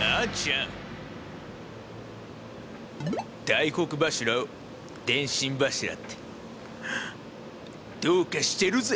大黒柱を電信柱ってどうかしてるぜ！